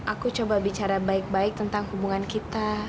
aku coba bicara baik baik tentang hubungan kita